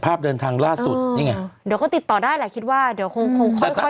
เดินทางล่าสุดนี่ไงเดี๋ยวก็ติดต่อได้แหละคิดว่าเดี๋ยวคงคงค่อยค่อย